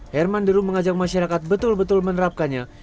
herman deru mengajak masyarakat betul betul menerapkannya